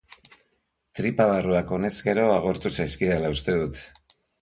Tripa barruak honezkero agortu zaizkidala uste dut.